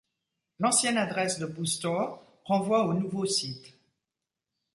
L'ancienne adresse de Boostore renvoie au nouveau site.